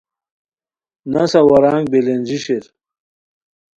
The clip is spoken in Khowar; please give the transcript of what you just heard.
نسہ ورانگ بلینجی شیر